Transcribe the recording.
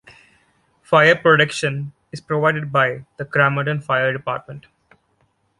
Fire protection is provided by the Cramerton Fire Department.